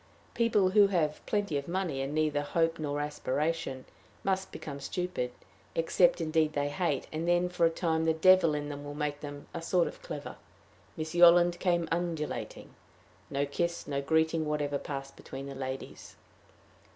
People who have plenty of money, and neither hope nor aspiration, must become stupid, except indeed they hate, and then for a time the devil in them will make them a sort of clever. Miss Yolland came undulating. No kiss, no greeting whatever passed between the ladies.